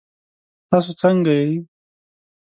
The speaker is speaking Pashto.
تاسو څنګه یئ؟